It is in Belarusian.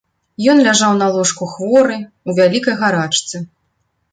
Ён ляжаў на ложку хворы, у вялікай гарачцы.